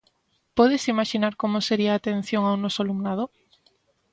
Podes imaxinar como sería a atención ao noso alumnado?